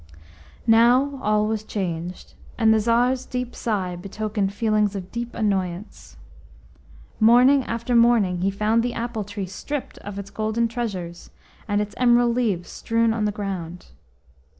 Now all was changed, and the Tsar's deep sigh betokened feelings of deep annoyance. Morning after morning he found the apple tree stripped of its golden treasures, and its emerald leaves strewn on the ground.